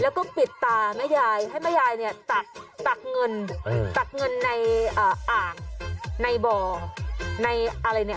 แล้วก็ปิดตาแม่ยายให้แม่ยายเนี่ยตักเงินตักเงินในอ่างในบ่อในอะไรเนี่ย